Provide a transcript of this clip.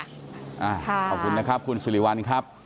ขอบคุณนะครับคุณสิริวัลครับ